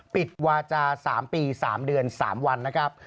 ปิดวาจา๓ปี๓เดือน๓วันนะครับ